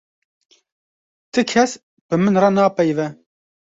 Ti kes bi min re napeyive.